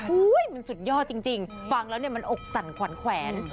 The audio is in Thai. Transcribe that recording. มันสุดยอดจริงฟังแล้วเนี่ยมันอกสั่นขวัญแขวน